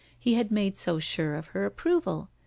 He had made so sure of her approval.